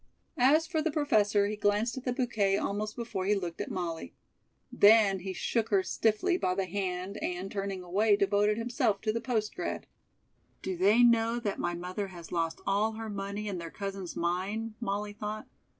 As for the Professor, he glanced at the bouquet almost before he looked at Molly. Then he shook her stiffly by the hand and, turning away, devoted himself to the post grad. "Do they know that my mother has lost all her money in their cousin's mine?" Molly thought.